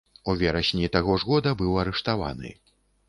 У верасні таго ж года быў арыштаваны.